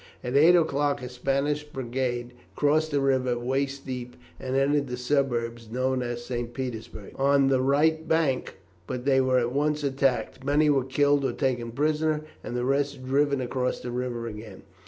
At eight o'clock a Spanish brigade crossed the river waist deep, and entered the suburb known as St. Petersburg, on the right bank; but they were at once attacked; many were killed or taken prisoners, and the rest driven across the river again.